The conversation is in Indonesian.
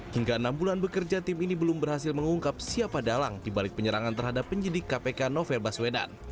hingga enam bulan bekerja tim ini belum berhasil mengungkap siapa dalang dibalik penyerangan terhadap penyidik kpk novel baswedan